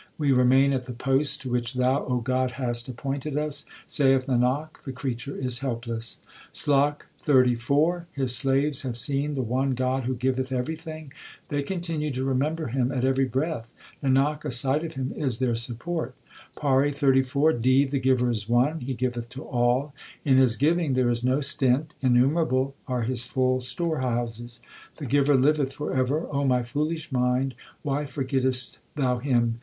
We remain at the posts to which Thou, God, hast appointed us ; saith Nanak, the creature is helpless. SLOK XXXIV His slaves have seen the one God who giveth everything ; They continue to remember Him at every breath ; Nanak, a sight of Him is their support. PAURI XXXIV D. The Giver is one ; He giveth to all ; In His giving there is no stint ; innumerable are His full storehouses. The Giver liveth for ever. O my foolish mind, why forgettest thou Him